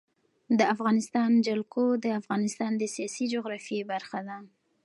د افغانستان جلکو د افغانستان د سیاسي جغرافیه برخه ده.